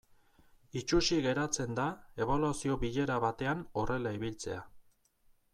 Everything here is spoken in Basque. Itsusi geratzen da ebaluazio bilera batean horrela ibiltzea.